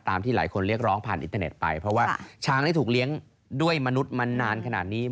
ที่หลายคนเรียกร้องผ่านอินเทอร์เน็ตไปเพราะว่าช้างได้ถูกเลี้ยงด้วยมนุษย์มานานขนาดนี้